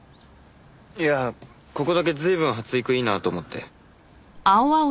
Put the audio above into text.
いやここだけ随分発育いいなと思って。